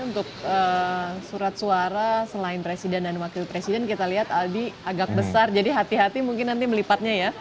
untuk surat suara selain presiden dan wakil presiden kita lihat aldi agak besar jadi hati hati mungkin nanti melipatnya ya